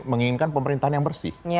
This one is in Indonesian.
menginginkan pemerintahan yang bersih